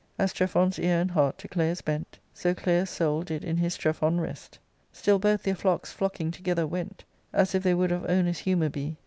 As Strephon's ear and h^aij: to Claius bent, So Claius' soul did in his Strephon rest. Still both their flocks flocking together went, As if they would of owners' humour be.